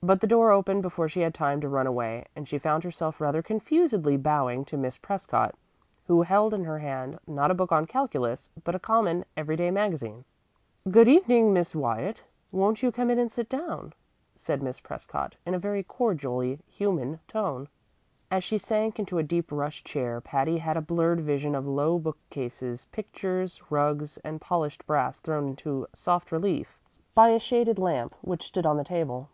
But the door opened before she had time to run away, and she found herself rather confusedly bowing to Miss Prescott, who held in her hand, not a book on calculus, but a common, every day magazine. "Good evening, Miss Wyatt. Won't you come in and sit down?" said Miss Prescott, in a very cordially human tone. As she sank into a deep rush chair Patty had a blurred vision of low bookcases, pictures, rugs, and polished brass thrown into soft relief by a shaded lamp which stood on the table.